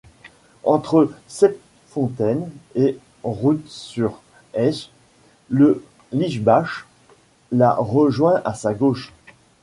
Entre Septfontaines et Roodt-sur-Eisch, le Leesbach la rejoint à sa gauche.